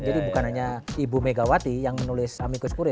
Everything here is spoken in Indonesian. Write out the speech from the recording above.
jadi bukan hanya ibu megawati yang menulis amicus curie